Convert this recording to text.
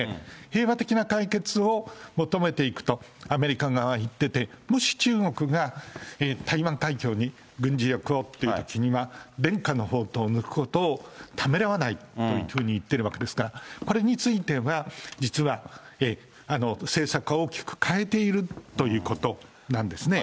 平和的な解決を求めていくとアメリカ側は言ってて、もし中国が、台湾海峡に軍事力をというときには、伝家の宝刀を抜くことをためらわないというふうに言っているわけですから、これについては、実は政策は大きく変えているということなんですね。